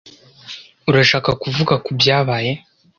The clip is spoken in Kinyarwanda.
Urashaka kuvuga kubyabaye?